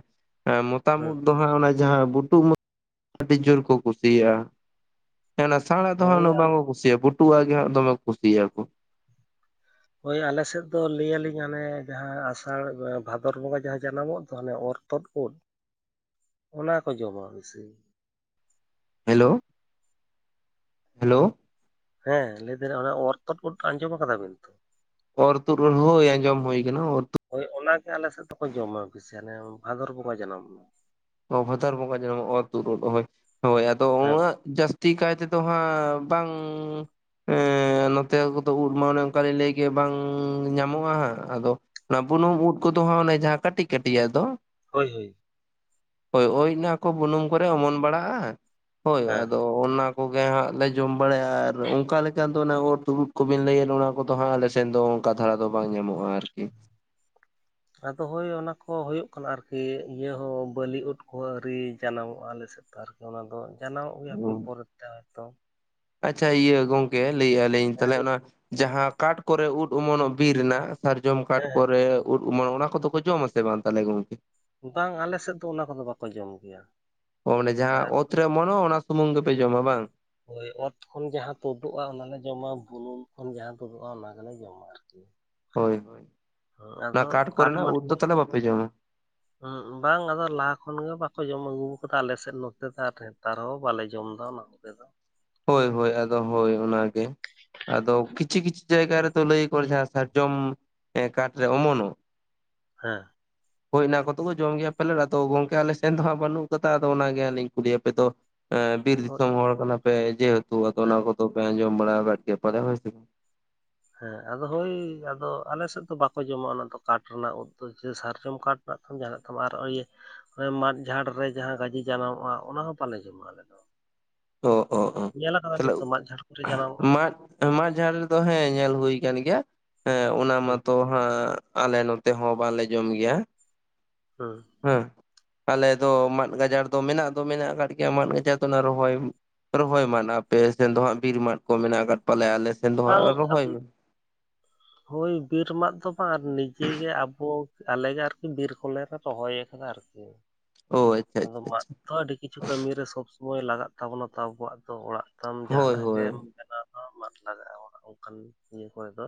Speaker 2: ᱢᱚᱛᱟᱢ
Speaker 1: ᱦᱩᱸ
Speaker 2: ᱩᱫ ᱫᱚ ᱦᱟᱸᱜ ᱚᱱᱟ ᱡᱟᱦᱟᱸ ᱵᱩᱴᱩ <inaudible> ᱟᱹᱰᱤ ᱡᱳᱨ ᱠᱚ ᱠᱩᱥᱤᱭᱟᱜᱼᱟ ᱚᱱᱟ ᱥᱟᱲ ᱫᱚ ᱦᱟᱸᱜ
Speaker 1: ᱦᱳᱭ
Speaker 2: ᱩᱱᱟᱹᱜ ᱵᱟᱝ ᱠᱚ ᱠᱩᱥᱤᱭᱤᱭᱟ ᱵᱷᱩᱴᱩᱜ ᱟᱜ ᱜᱮ ᱦᱟᱸᱜ ᱫᱚᱢᱮ ᱠᱚ ᱠᱩᱥᱤᱭᱟᱜ-ᱟ ᱠᱚ
Speaker 1: ᱦᱳᱭ ᱟᱞᱮᱥᱮᱫ ᱫᱚ ᱞᱟᱹᱭᱟᱞᱤᱧ ᱦᱟᱱᱮ ᱡᱟᱦᱟᱸ ᱟᱥᱟᱲ ᱵᱷᱟᱫᱚᱨ ᱵᱚᱸᱜᱟ ᱡᱟᱦᱟᱸ ᱡᱟᱱᱟᱢᱚᱜ ᱫᱚ ᱦᱟᱱᱮ ᱚᱨ ᱛᱚᱫ ᱩᱫ
Speaker 2: <inaudible>
Speaker 1: ᱚᱱᱟ ᱠᱚ ᱡᱚᱢᱟ ᱵᱮᱥᱤ
Speaker 2: ᱦᱮᱞᱳ ᱦᱮᱞᱳ᱾
Speaker 1: ᱦᱮᱸ ᱞᱟᱹᱭ ᱫᱟᱞᱤᱧ ᱚᱱᱟ ᱚᱨᱛᱩᱫ ᱩᱫ ᱠᱚ ᱟᱸᱡᱚᱢ ᱟᱠᱟᱫᱟ ᱵᱤᱱ ᱛᱚ᱾
Speaker 2: ᱚᱨ ᱛᱩᱫ ᱩᱫ ᱦᱳᱭ ᱟᱸᱡᱚᱢ ᱦᱩᱭ ᱟᱠᱟᱱᱟ ᱚᱨ ᱛᱩᱫ
Speaker 1: ᱦᱳᱭ ᱚᱱᱟᱜᱮ ᱦᱟᱸᱜ ᱟᱞᱮ ᱥᱮᱫ ᱫᱚᱠᱚ ᱡᱚᱢᱟ ᱵᱤᱥᱤ ᱦᱟᱱᱮ ᱵᱷᱟᱫᱚᱨ ᱵᱚᱸᱜᱟ ᱡᱟᱱᱟᱢᱚᱜ-ᱟ
Speaker 2: ᱚ, ᱵᱷᱟᱫᱚᱨ ᱵᱚᱸᱜᱟ ᱡᱟᱱᱟᱢᱚᱜ-ᱟ ᱚᱨ ᱛᱩᱫ ᱦᱳᱭ, ᱦᱳᱭ‌ ᱟᱫᱚ
Speaker 1: ᱦᱮᱸ
Speaker 2: ᱩᱱᱟᱹᱜ ᱡᱟᱥ ᱛᱤ ᱠᱟᱭ ᱛᱮᱫᱚ ᱦᱟᱸᱜ ᱵᱟᱝ ᱮᱸ ᱱᱚᱛᱮ ᱠᱚᱫᱚ ᱩᱫ ᱢᱟ ᱚᱱᱮ ᱚᱝᱠᱟᱞᱤᱧ ᱞᱟᱹᱭ ᱠᱮᱜ ᱵᱟᱝ ᱧᱟᱢᱚᱜᱼᱟ ᱦᱟᱸᱜ ᱟᱫᱚ ᱚᱱᱟ ᱵᱩᱱᱩᱢ ᱩᱫ ᱠᱚᱫᱚ ᱦᱟᱸᱜ ᱚᱱᱮ ᱡᱟᱦᱟᱸ ᱠᱟᱹᱴᱤᱡ ᱠᱟᱹᱴᱤᱡᱟᱜ ᱫᱚ
Speaker 1: ᱦᱳᱭ ᱦᱳᱭ
Speaker 2: ᱦᱳᱭ ᱳᱭ ᱚᱱᱟ ᱠᱚ ᱵᱩᱱᱩᱢ ᱠᱚᱨᱮ ᱚᱢᱚᱱ ᱵᱟᱲᱟᱜᱼᱟ ᱦᱳᱭ
Speaker 1: ᱦᱮᱸ
Speaker 2: ᱟᱫᱚ ᱚᱱᱱᱟ ᱠᱚᱜᱮ ᱦᱟᱸᱜ ᱞᱮ ᱡᱚᱢ ᱵᱟᱲᱟᱭᱟ ᱟᱨ ᱚᱝᱠᱟ ᱞᱮᱠᱟ ᱫᱚ ᱚᱱᱟ ᱚᱨ ᱛᱩᱲᱩᱫ ᱠᱚᱵᱤᱱ ᱞᱟᱹᱭᱮᱫ ᱚᱱᱟ ᱠᱚᱫᱚ ᱦᱟᱸᱜ ᱟᱞᱮ ᱥᱮᱱ ᱫᱚ ᱠᱟᱛᱷᱟᱲᱟ ᱫᱚ ᱵᱟᱝ ᱧᱟᱢᱚᱜᱼᱟ ᱟᱨᱠᱤ
Speaker 1: ᱟᱫᱚ ᱦᱳᱭ ᱚᱱᱟ ᱠᱚ ᱦᱩᱭᱩᱜ ᱠᱟᱱᱟ ᱟᱨᱠᱤ ᱤᱭᱟᱹ ᱦᱚᱸ ᱵᱟᱹᱞᱤ ᱩᱫ ᱠᱚᱦᱚᱸ ᱟᱹᱣᱨᱤ ᱡᱟᱱᱟᱢᱚᱜᱼᱟ ᱟᱞᱮ ᱥᱮᱫ ᱛᱟᱨᱯᱚᱨ ᱟᱫᱚ ᱡᱟᱱᱟᱢᱚᱜ ᱜᱮᱭᱟ ᱦᱟᱯᱮ ᱯᱚᱨᱮᱛᱮ ᱟᱫᱚ
Speaker 2: ᱟᱪᱷᱟ ᱤᱭᱟᱹ ᱜᱚᱝᱠᱮ ᱞᱟᱹᱭᱮᱫᱴᱜᱼᱟ ᱞᱤᱧ ᱛᱟᱦᱞᱮ ᱚᱱᱟ ᱡᱟᱦᱟᱸ ᱠᱟᱴ ᱠᱚᱨᱮ ᱩᱫ ᱚᱢᱚᱱᱚᱜ ᱵᱤᱨ ᱨᱮᱱᱟᱜ ᱥᱟᱨᱡᱚᱢ ᱠᱟᱴ
Speaker 1: ᱦᱮᱸ ᱦᱮᱸ
Speaker 2: ᱠᱚᱨᱮ ᱩᱫ ᱚᱢᱚᱱᱚᱜ ᱚᱱᱟ ᱠᱚᱫᱚ ᱠᱚ ᱡᱚᱢᱟ ᱥᱮ ᱵᱟᱝ ᱛᱟᱦᱞᱮ ᱜᱚᱝᱠᱮ
Speaker 1: ᱵᱟᱝ ᱟᱞᱮ ᱥᱮᱫ ᱫᱚ ᱚᱱᱟ ᱠᱚᱫᱚ ᱵᱟᱠᱚ ᱡᱚᱢ ᱜᱮᱭᱟ
Speaker 2: ᱚ ᱚᱱᱮ ᱡᱟᱦᱟᱸ
Speaker 1: ᱟᱨ
Speaker 2: ᱚᱛ ᱨᱮ ᱚᱢᱚᱱᱚᱜ ᱚᱱᱟ ᱥᱩᱢᱩᱝ ᱜᱮᱯᱮ ᱡᱚᱢᱟ ᱵᱟᱝ
Speaker 1: ᱦᱳᱭ, ᱚᱛ ᱠᱷᱚᱱ ᱡᱟᱦᱟᱸ ᱛᱩᱫᱩᱜᱼᱟ ᱚᱱᱟᱞᱮ ᱡᱚᱢᱟ ᱵᱩᱱᱩᱝ ᱠᱷᱚᱱ ᱡᱟᱦᱟᱸ ᱛᱩᱫᱩᱜᱼᱟ ᱚᱱᱟ ᱜᱮᱞᱮ ᱡᱚᱢᱟ <unintelligible>
Speaker 2: ᱦᱳᱭ ᱦᱳᱭ
Speaker 1: ᱦᱮᱸ
Speaker 2: ᱚᱱᱟ
Speaker 1: ᱟᱫᱚ
Speaker 2: ᱠᱟᱴ ᱠᱚᱨᱮᱱᱟᱜ ᱩᱫ ᱫᱚ ᱛᱟᱦᱞᱮ ᱵᱟᱯᱮ ᱡᱚᱢᱟ
Speaker 1: ᱩᱸ ᱵᱟᱝ ᱟᱫᱚ ᱞᱟᱦᱟ ᱠᱷᱚᱱᱜ ᱵᱟᱠᱚ ᱡᱚᱢ ᱟᱹᱜᱩ ᱟᱠᱟᱫᱟ ᱟᱞᱮᱥᱮᱫ ᱱᱚᱛᱮ ᱫᱚ ᱟᱨ ᱱᱮᱛᱟᱨ ᱦᱚᱸ ᱵᱟᱞᱮ ᱡᱚᱢᱫᱟ ᱚᱱᱟ ᱱᱚᱛᱮ ᱫᱚ
Speaker 2: ᱦᱳᱭ ᱦᱳᱭ ᱟᱫᱚ ᱦᱳᱭ ᱚᱱᱟ ᱜᱮ ᱟᱫᱚ ᱠᱤᱪᱷᱤ ᱠᱤᱪᱷᱤ ᱡᱟᱭᱜᱟ ᱨᱮᱛᱚ ᱞᱟᱹᱭᱟᱠᱚ ᱡᱟᱦᱟᱸ ᱥᱟᱨᱡᱚᱢ ᱦᱮᱸ ᱠᱟᱴ ᱨᱮ ᱚᱢᱚᱱᱚᱜ
Speaker 1: ᱦᱮᱸ
Speaker 2: <inaudible> ᱦᱳᱭ ᱚᱱᱟ ᱠᱚᱫᱚ ᱠᱚ ᱡᱚᱢ ᱜᱮᱭᱟ ᱯᱟᱞᱮᱫ ᱟᱫᱚ ᱜᱚᱝᱠᱮ ᱟᱞᱮ ᱥᱮᱱ ᱫᱚᱦᱟᱸᱜ ᱵᱟᱹᱱᱩᱜ ᱠᱟᱫᱟ ᱟᱫᱚ ᱚᱱᱟᱜᱮ ᱟᱹᱞᱤᱧ ᱠᱩᱞᱤᱭ ᱟᱯᱮ ᱛᱚ ᱮᱸ, ᱵᱤᱨ
Speaker 1: ᱦᱳᱭ
Speaker 2: ᱫᱤᱥᱚᱢ ᱦᱚᱲ ᱠᱟᱱᱟᱯᱮ ᱡᱮᱦᱮᱛᱩ ᱟᱫᱚ
Speaker 1: ᱦᱮᱸ
Speaker 2: ᱚᱱᱟ ᱠᱚᱫᱚ ᱯᱮ ᱟᱸᱡᱚᱢ ᱵᱟᱲᱟ ᱠᱟᱫ ᱜᱮᱭᱟ ᱯᱟᱞᱮ ᱦᱚᱭ ᱥᱮ ᱵᱟ
Speaker 1: ᱦᱮᱸ ᱟᱫᱚ ᱦᱳᱭ ᱟᱫᱚ ᱟᱞᱮ ᱥᱮᱫ ᱫᱚ ᱵᱟᱠᱚ ᱡᱚᱢᱟ ᱚᱱᱟ ᱫᱚ ᱠᱟᱴ ᱨᱮᱱᱟᱜ ᱩᱫ ᱫᱚ ᱥᱮ ᱥᱟᱨᱡᱚᱢ ᱠᱟᱴ ᱱᱟᱜ ᱠᱷᱟᱱ ᱡᱟᱦᱟᱱᱟᱜ ᱛᱟᱢ ᱟᱨ ᱤᱭᱟᱹ ᱚᱱᱮ ᱢᱟᱫ ᱡᱷᱟᱲ ᱨᱮ ᱡᱟᱦᱟᱸ ᱜᱟᱹᱡᱤ ᱡᱟᱱᱟᱢᱚᱜᱼᱟ ᱚᱱᱟᱦᱚᱸ ᱵᱟᱞᱮ ᱡᱚᱢᱟ ᱟᱞᱮ ᱫᱚ
Speaker 2: ᱚ ᱚ ᱚ
Speaker 1: ᱧᱮᱞ ᱟᱠᱟᱫᱟ ᱵᱤᱱᱛᱚ ᱢᱟᱫ ᱡᱷᱟᱲ ᱠᱚᱨᱮ ᱡᱟᱱᱟᱢᱚᱜᱼᱟ
Speaker 2: ᱦᱮᱸ, ᱢᱟᱜ ᱡᱷᱟᱲ ᱨᱮᱫᱚ ᱦᱮᱸ ᱧᱮᱞ ᱦᱩᱭ ᱠᱟᱱ ᱜᱮᱭᱟ ᱦᱮᱸ ᱚᱱᱟ
Speaker 1: ᱦᱩᱸ
Speaker 2: ᱢᱟᱛᱚ ᱦᱟᱸᱜ ᱟᱞᱮ ᱱᱚᱛᱮ ᱦᱚᱸ ᱵᱟᱞᱮ ᱡᱚᱢ ᱜᱮᱭᱟ
Speaker 1: ᱦᱮᱸ
Speaker 2: ᱦᱮᱸ ᱟᱞᱮ ᱫᱚ ᱢᱟᱫ ᱜᱟᱡᱟᱲ ᱫᱚ ᱢᱮᱱᱟᱜ ᱫᱚ ᱢᱮᱱᱟᱜ ᱟᱠᱟᱫ ᱜᱮᱭᱟ ᱢᱟᱫ ᱜᱟᱡᱟᱲ ᱫᱚ ᱚᱱᱟ ᱨᱚᱦᱚᱭ ᱨᱚᱦᱚᱭ ᱢᱟᱱ ᱟᱯᱮᱥᱱ ᱫᱚ ᱦᱟᱸᱜ ᱵᱤᱨ ᱢᱟᱫ ᱠᱚ ᱢᱮᱱᱟᱜ ᱟᱠᱟᱫ ᱯᱟᱞᱮᱭᱟ ᱟᱞᱮᱥ
Speaker 1: <unintelligible>
Speaker 2: <inaudible>
Speaker 1: ᱦᱳᱭ ᱵᱤᱨ ᱢᱟᱫ ᱫᱚ ᱵᱟᱝ ᱱᱤᱡᱮᱜᱮ ᱟᱵᱚ ᱟᱞᱮᱜᱮ ᱟᱨᱠᱤ ᱵᱤᱨ ᱠᱚᱞᱮ ᱞᱮ ᱨᱚᱦᱚᱭ ᱟᱠᱟᱫᱟ ᱟᱨᱠᱤ
Speaker 2: ᱚ ᱟᱪᱪᱷᱟ
Speaker 1: <inaudible> ᱟᱫᱚ
Speaker 2: ᱟᱪᱪᱷᱟ
Speaker 1: ᱢᱟᱫ
Speaker 2: ᱟᱪᱪᱷᱟ
Speaker 1: ᱛᱚ ᱟᱹᱰᱤ ᱠᱤᱪᱷᱩ ᱠᱟᱹᱢᱤᱨ ᱨᱮ ᱥᱚᱵᱥᱚᱢᱚᱭ ᱞᱟᱜᱟᱜ ᱛᱟᱵᱚᱱᱟ ᱛᱚ ᱟᱵᱚᱣᱟᱜ ᱫᱚ ᱚᱲᱟᱜ ᱛᱟᱢ
Speaker 2: ᱦᱳᱭ
Speaker 1: ᱡᱟᱦᱱᱟᱜ
Speaker 2: ᱦᱳᱭ
Speaker 1: ᱜᱮᱢ ᱵᱮᱱᱟᱣ ᱫᱚ ᱢᱟᱫ ᱞᱟᱜᱟᱜᱼᱟ ᱚᱱᱠᱟᱱ ᱤᱭᱟᱹ ᱠᱚᱨᱮ ᱫᱚ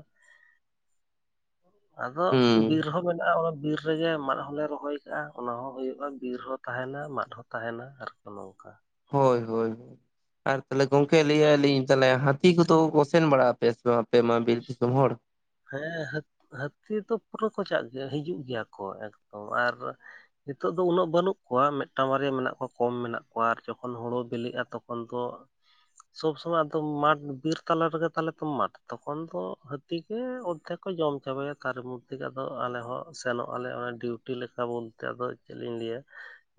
Speaker 1: ᱟᱫᱚ
Speaker 2: ᱦᱩᱸ
Speaker 1: ᱵᱤᱨ ᱦᱚᱸ ᱢᱮᱱᱟᱜᱼᱟ ᱚᱱᱟ ᱵᱤᱨ ᱵᱤᱨ ᱨᱮᱜᱮ ᱢᱟᱫ ᱦᱚᱞᱮ ᱨᱚᱦᱚᱭ ᱠᱟᱜᱼᱟ ᱚᱱᱟ ᱦᱚᱸ ᱦᱩᱭᱩᱜᱼᱟ ᱵᱤᱨ ᱦᱚᱸ ᱛᱟᱦᱮᱱᱟ ᱢᱟᱫ ᱦᱚᱸ ᱛᱟᱦᱮᱱᱟ ᱟᱨ ᱠᱚ ᱱᱚᱝᱠᱟ
Speaker 2: ᱦᱳᱭ ᱦᱳᱭ ᱟᱨ ᱛᱟᱦᱚᱞᱮ ᱜᱚᱢᱠᱮ ᱞᱟᱹᱭ ᱮᱫ-ᱟ ᱞᱤᱧ ᱛᱟᱦᱮ ᱦᱟ. ᱛᱤ ᱠᱚᱫᱚ ᱠᱚ ᱥᱮᱱ ᱵᱟᱲᱟᱜ ᱟᱯᱮ ᱟᱯᱮᱢᱟ ᱵᱤᱨ ᱫᱤᱥᱚᱢ ᱦᱚᱲ
Speaker 1: ᱦᱮᱸ ᱦᱟᱹᱛᱤ ᱫᱚ ᱯᱩᱨᱟᱹ ᱠᱚᱪᱟᱜ ᱜᱮ ᱦᱤᱡᱩᱜ ᱜᱮᱭᱟ ᱠᱚ ᱮᱠᱫᱚᱢ ᱟᱨ ᱱᱤᱛᱚᱜ ᱫᱚ ᱩᱱᱟᱹᱜ ᱵᱟᱹᱱᱩᱜ ᱠᱚᱣᱟ ᱢᱤᱫᱴᱟᱝ ᱵᱟᱨᱭᱟ ᱢᱮᱱᱟᱜ ᱠᱚᱣᱟ ᱠᱚᱢ ᱢᱮᱱᱟᱜ ᱠᱚᱣᱟ ᱟᱨ ᱡᱚᱠᱷᱚᱱ ᱦᱳᱲᱳ ᱵᱤᱞᱤᱜᱼᱟ ᱛᱚᱠᱷᱚᱱ ᱯᱳᱱ ᱠᱚ ᱥᱚᱵ ᱥᱚᱢᱚᱭ ᱟᱫᱳ ᱢᱟᱴ ᱵᱤᱨ ᱛᱟᱞᱟ ᱨᱮᱜᱮ ᱛᱟᱞᱮ ᱢᱟᱰ ᱛᱚᱠᱷᱚᱱ ᱫᱚ ᱦᱟᱹᱛᱤ ᱠᱚ ᱡᱚᱢ ᱪᱟᱵᱟᱭᱟ ᱛᱟᱨ ᱢᱚᱫᱽᱷᱮ ᱟᱫᱚ ᱟᱞᱮ ᱦᱚᱸ ᱥᱮᱱᱚᱜ ᱟᱞᱮ ᱚᱱᱟ ᱰᱤᱣᱩᱴᱤ ᱞᱮᱠᱟ ᱵᱚᱞ ᱟᱫᱚ ᱪᱮᱫ ᱞᱤᱧ ᱞᱟᱹᱭᱟ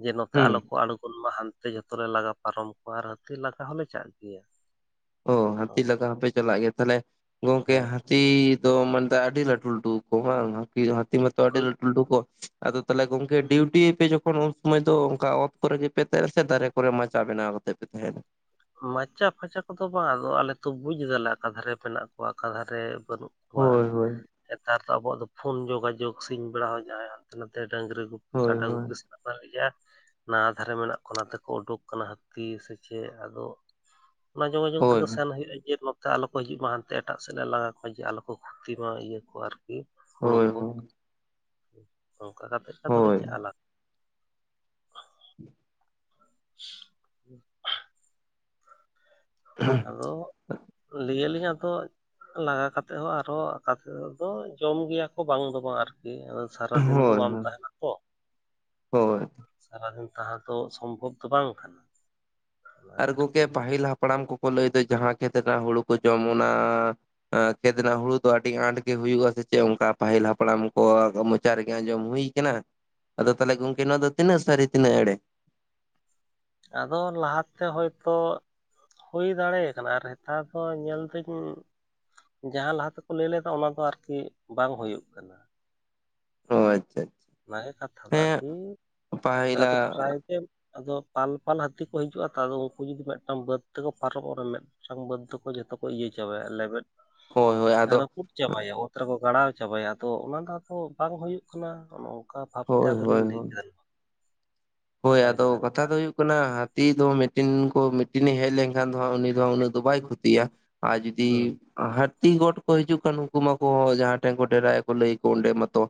Speaker 1: ᱡᱮ ᱱᱚᱛᱮ
Speaker 2: ᱦᱩᱸ
Speaker 1: ᱟᱞᱚ ᱠᱚ ᱟᱬᱜᱚᱱ ᱢᱟ ᱦᱟᱱ ᱛᱮ ᱡᱷᱚᱛᱚ ᱞᱮ ᱞᱟᱜᱟ ᱯᱟᱨᱚᱢ ᱠᱚᱣᱟ ᱟᱨ ᱦᱟᱹᱛᱤ ᱞᱟᱜᱟ ᱦᱚᱞᱮ ᱪᱟᱜ ᱜᱮᱭᱟ
Speaker 2: ᱚ ᱦᱟᱹᱛᱤ
Speaker 1: ᱱᱚᱝᱠᱟ
Speaker 2: ᱞᱟᱜᱟ ᱦᱚᱸᱯᱮ ᱪᱟᱞᱟᱜ ᱜᱮᱭᱟ ᱛᱟᱦᱞᱮ ᱜᱚᱝᱠᱮ ᱦᱟ
Speaker 1: ᱦᱮᱸ
Speaker 2: ᱦᱟᱹᱛᱤ ᱫᱚ ᱢᱟᱱᱛᱮ ᱟᱹᱰᱤ ᱞᱟᱹᱴᱩ ᱞᱟᱹᱴᱩ ᱟᱠᱚ ᱦᱟᱝ ᱦᱟᱹᱛᱤ ᱢᱟᱛᱚ ᱟᱹᱰᱤ
Speaker 1: ᱳᱭ
Speaker 2: ᱞᱟᱹᱴᱩ ᱞᱟᱹᱴᱩ ᱠᱚ ᱟᱫᱚ ᱛᱟᱦᱚᱞᱮ ᱜᱚᱝᱠᱮ ᱰᱤᱭᱩᱴᱤ ᱭᱟᱯᱮ ᱡᱚᱠᱷᱚᱱ ᱩᱱ ᱥᱚᱢᱚᱭ ᱫᱚ ᱚᱱᱠᱟ ᱚᱛ ᱠᱚᱨᱮ ᱜᱮ ᱯᱮ ᱛᱟᱦᱮᱸᱱᱟ ᱥᱮ ᱫᱟᱨᱮ ᱠᱚᱨᱮ ᱢᱟᱪᱟ ᱵᱮᱱᱟᱣ ᱠᱟᱛᱮ <inaudible>
Speaker 1: ᱢᱟᱪᱟ ᱯᱷᱟᱪᱟ ᱠᱚᱫᱚ ᱵᱟᱝ ᱟᱫᱚ ᱟᱞᱮ ᱛᱚ ᱵᱩᱡᱫᱟᱞᱮ ᱟᱠᱟ ᱫᱷᱟᱨᱮ ᱢᱮᱱᱟᱜ ᱠᱚᱣᱟ ᱚᱠᱟ ᱫᱷᱟᱨᱮ ᱵᱟᱹᱱᱩᱜ ᱠᱚᱣᱟ
Speaker 2: ᱦᱳᱭ ᱦᱳᱭ
Speaker 1: ᱱᱮᱛᱟᱨ ᱫᱚ ᱟᱵᱚᱣᱟᱜ ᱫᱚ ᱯᱷᱳᱱ ᱡᱳᱜᱟᱡᱳᱜᱽ ᱥᱤᱧ ᱵᱮᱲᱟ ᱦᱚᱸ ᱡᱟᱦᱟᱸᱭ ᱦᱟᱱᱛᱮ ᱱᱟᱛᱮ ᱰᱟᱹᱝᱨᱤ ᱜᱩᱯᱤ
Speaker 2: ᱦᱳᱭ
Speaker 1: ᱠᱟᱰᱟ ᱜᱩᱯᱤ
Speaker 2: ᱦᱳᱭ
Speaker 1: ᱥᱮᱱᱟᱜ ᱫᱟᱲᱮ ᱜᱮᱭᱟ ᱱᱟᱣᱟ ᱫᱷᱟᱨᱮ ᱢᱮᱱᱟᱜ ᱠᱚ ᱚᱱᱟᱛᱮᱠᱚ ᱩᱰᱩᱠ ᱟᱠᱟᱱᱟ ᱦᱟᱹᱛᱤ ᱥᱮ ᱪᱮᱫ ᱟᱫᱚ ᱚᱱᱟ ᱡᱳᱜᱟᱡᱳᱜᱽ
Speaker 2: ᱦᱳᱭ
Speaker 1: ᱛᱮᱠᱚ ᱥᱮᱱ ᱦᱩᱭᱩᱜ ᱟ ᱡᱮ ᱱᱚᱛᱮ ᱟᱞᱚ ᱠᱚ ᱦᱤᱡᱩᱜ ᱢᱟ ᱦᱟᱱᱛᱮ ᱮᱴᱟᱜ ᱥᱮᱫ ᱞᱮ ᱞᱟᱜᱟ ᱠᱚᱣᱟ ᱡᱮ ᱟᱞᱚ ᱠᱷᱚᱛᱤ ᱢᱟ ᱤᱭᱟᱹ ᱠᱚᱣᱟ ᱟᱨᱠᱤ ᱦᱩᱲᱩ
Speaker 2: ᱦᱳᱭ
Speaker 1: ᱠᱚ ᱚᱱᱠᱟ ᱠᱟᱛᱮ ᱟᱫᱚᱞᱮ
Speaker 2: ᱦᱳᱭ
Speaker 1: ᱪᱟᱞᱟᱜᱼᱟ ᱦᱩᱸ <unintelligible> ᱟᱫᱚ ᱞᱟᱹᱭ ᱟᱞᱤᱧ ᱟᱫᱚ ᱞᱟᱜᱟ ᱠᱟᱛᱮ ᱦᱚᱸ ᱟᱨᱦᱚᱸ <unintelligible> ᱫᱚ ᱡᱚᱢ ᱜᱮᱭᱟ ᱠᱚ ᱵᱟᱝ ᱫᱚ ᱵᱟᱝ ᱟᱨᱠᱤ ᱥᱟᱨᱟ ᱫᱤᱱ ᱫᱚ
Speaker 2: ᱦᱳᱭ
Speaker 1: ᱵᱟᱢ ᱛᱟᱦᱮᱱᱟ
Speaker 2: ᱦᱳᱭ
Speaker 1: ᱥᱟᱨᱟᱫᱤᱱ ᱛᱟᱦᱮ ᱫᱚ ᱥᱚᱢᱵᱷᱚᱵ ᱫᱚ ᱵᱟᱝ ᱠᱟᱱᱟ
Speaker 2: ᱟᱨ ᱜᱚᱢᱠᱮ
Speaker 1: ᱟᱨᱠᱤ
Speaker 2: ᱯᱟᱦᱤᱞ ᱦᱟᱯᱲᱟᱢ ᱠᱚᱠᱚ ᱞᱟᱹᱭᱫᱟ ᱡᱟᱦᱟᱸ ᱠᱷᱮᱛ ᱨᱮᱱᱟᱜ ᱦᱩᱲᱩ ᱠᱚ ᱡᱚᱢ ᱚᱱᱟ ᱠᱷᱮᱫ ᱨᱮᱱᱟᱜ ᱦᱩᱲᱩ ᱫᱚ ᱟᱹᱰᱤ ᱟᱸᱴ ᱜᱮ ᱦᱩᱭᱩᱜᱼᱟ ᱥᱮ ᱪᱮᱫ ᱚᱱᱠᱟ ᱯᱟᱹᱦᱤᱞ ᱦᱟᱯᱲᱟᱢ ᱠᱚ ᱢᱚᱪᱟ ᱨᱮᱜᱮ ᱟᱸᱡᱚᱢ ᱦᱩᱭ ᱠᱟᱱᱟ ᱟᱫᱚ ᱛᱟᱦᱚᱞᱮ ᱜᱚᱝᱠᱮ ᱱᱚᱣᱟ ᱫᱚ ᱛᱤᱱᱟᱹᱜ ᱥᱟᱹᱨᱤ ᱛᱤᱱᱟᱹᱜ ᱮᱲᱮ?
Speaker 1: ᱟᱫᱚ ᱞᱟᱦᱟᱛᱮ ᱦᱳᱭᱛᱚ ᱦᱩᱭ ᱫᱟᱲᱮ ᱠᱟᱱᱟ ᱟᱨ ᱱᱮᱛᱟᱨ ᱫᱚ ᱧᱮᱞ ᱫᱤᱧ ᱡᱟᱦᱟᱸ ᱞᱟᱦᱟ ᱛᱮᱠᱚ ᱞᱟᱹᱭ ᱞᱮᱫᱟ ᱚᱱᱟ ᱫᱚ ᱟᱨᱠᱤ ᱵᱟᱝ ᱦᱩᱭᱩᱜ ᱠᱟᱱᱟ
Speaker 2: ᱚ ᱟᱪᱷᱟ ᱟᱪᱷᱟ
Speaker 1: ᱚᱱᱟᱜᱮ ᱠᱟᱛᱷᱟ ᱫᱚ ᱟᱨᱠᱤ ᱟᱫᱚ
Speaker 2: ᱯᱟᱹᱦᱤᱞᱟᱜ
Speaker 1: <unintelligible> ᱟᱫᱚ ᱯᱟᱞ ᱯᱟᱞ ᱦᱟᱹᱛᱤ ᱠᱚ ᱦᱤᱡᱩᱜᱼᱟ ᱛᱚ ᱟᱫᱚ ᱩᱱᱠᱩ ᱡᱩᱫᱤ ᱢᱤᱫᱴᱟᱝ ᱵᱟᱹᱫ ᱛᱮᱠᱚ ᱯᱟᱨᱚᱵᱚᱜᱼᱟ ᱢᱮ <unintelligible> ᱵᱟᱫ ᱫᱚ ᱠᱚ ᱡᱚᱛᱚ ᱠᱚ ᱤᱭᱟᱹ ᱪᱟᱵᱟᱭᱟ ᱞᱮᱵᱮᱫᱷ
Speaker 2: ᱦᱳᱭ ᱦᱳᱭ ᱟᱫᱚ
Speaker 1: ᱨᱟᱹᱯᱩᱫ ᱪᱟᱵᱟᱭᱟ ᱚᱛ ᱨᱮᱠᱚ ᱜᱟᱲᱟᱣ ᱪᱟᱵᱟᱭᱟ ᱛᱚ ᱚᱱᱟ ᱫᱚ ᱟᱫᱚ ᱵᱟᱝ ᱦᱩᱭᱩᱜ ᱠᱟᱱᱟ ᱚᱱᱚᱝᱠᱟ ᱵᱷᱟᱵᱽᱠᱟ ᱛᱮ
Speaker 2: ᱦᱳᱭ
Speaker 1: ᱟᱫᱚ
Speaker 2: ᱦᱳᱭ
Speaker 1: ᱞᱤᱧ ᱞᱟᱹᱭ
Speaker 2: ᱦᱳᱭ
Speaker 1: ᱠᱮᱫᱟ
Speaker 2: ᱦᱳᱭ
Speaker 1: ᱵᱟᱲᱟᱭ
Speaker 2: ᱟᱫᱚ
Speaker 1: ᱠᱮᱫᱟ
Speaker 2: ᱠᱟᱛᱷᱟ
Speaker 1: ᱢᱮᱱᱛᱮ
Speaker 2: ᱫᱚ ᱦᱩᱭᱩᱜ ᱠᱟᱱᱟ ᱦᱟᱹᱛᱤ ᱫᱚ ᱢᱤᱫᱴᱤᱱ ᱠᱚ ᱢᱤᱴ ᱫᱤᱱᱮ ᱦᱮᱡ ᱞᱮᱱᱠᱷᱟᱱ ᱫᱚ ᱩᱱᱤ ᱫᱚ ᱩᱱᱟᱹᱜ ᱫᱚ ᱵᱟᱭ ᱠᱷᱚᱛᱤᱭᱟ ᱟᱨ ᱡᱩᱫᱤ
Speaker 1: ᱦᱩᱸ
Speaker 2: ᱦᱟᱹᱛᱤ ᱜᱚᱴ ᱠᱚ ᱦᱤᱡᱩᱜ ᱠᱷᱟᱱ ᱩᱱᱠᱩ ᱢᱟᱠᱚ ᱡᱟᱦᱟᱸ ᱴᱷᱮᱱ ᱠᱚ ᱰᱮᱨᱟᱭᱟ ᱠᱚ ᱞᱟᱹᱭ ᱟᱠᱚ ᱚᱸᱰᱮ ᱢᱟᱛᱚ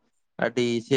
Speaker 2: ᱟᱹᱰᱤ ᱪᱮ